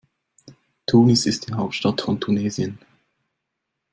Tunis ist die Hauptstadt von Tunesien.